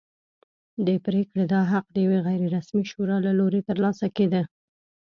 د پرېکړې دا حق د یوې غیر رسمي شورا له لوري ترلاسه کېده.